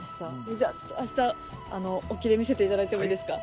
じゃああした沖で見せて頂いてもいいですか？